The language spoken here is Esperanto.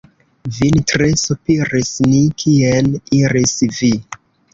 Vin tre sopiris ni, kien iris vi?